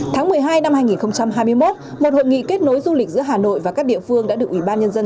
tháng một mươi hai năm hai nghìn hai mươi một một hội nghị kết nối du lịch giữa hà nội và các địa phương đã được ủy ban nhân dân